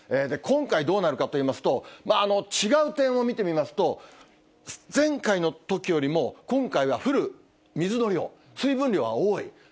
今回、どうなるかといいますと、違う点を見てみますと、前回のときよりも今回は降る、水の量、水分量が多い。